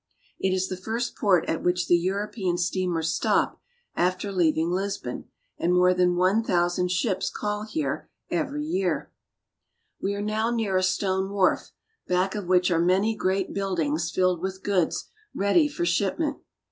It is the first port at which the European steamers stop after leaving Lisbon, and more than one thousand ships call here every year. ALONG THE COAST. 293 We are now near a stone wharf, back of which are many great buildings filled with goods ready for shipment.